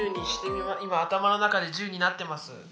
今頭の中で十になってます。